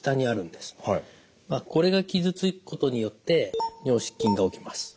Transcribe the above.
これが傷つくことによって尿失禁が起きます。